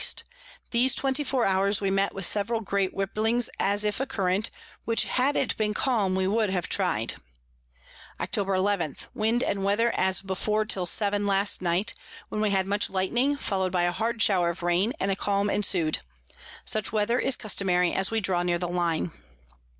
These 24 hours we met with several great Riplings as if a Current, which had it been calm we would have try'd. [Sidenote: From St. Antonio to the Southward.] Octob. 11. Wind and Weather as before till seven last night, when we had much Lightning follow'd by a hard Shower of Rain, and a Calm ensu'd. Such Weather is customary as we draw near the Line.